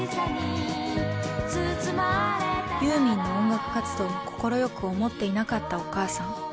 ユーミンの音楽活動を快く思っていなかったお母さん。